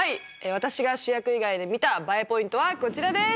私が主役以外で見たＢＡＥポイントはこちらです！